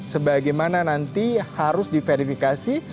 sebagaimana nanti harus diverifikasi